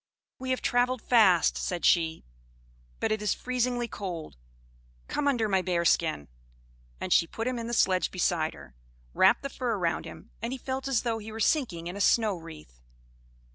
"We have travelled fast," said she; "but it is freezingly cold. Come under my bearskin." And she put him in the sledge beside her, wrapped the fur round him, and he felt as though he were sinking in a snow wreath.